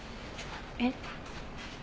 えっ？